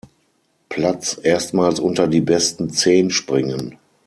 Platz erstmals unter die besten Zehn springen.